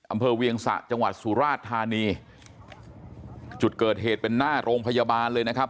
เวียงสะจังหวัดสุราชธานีจุดเกิดเหตุเป็นหน้าโรงพยาบาลเลยนะครับ